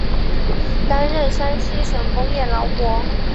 担任山西省工业劳模。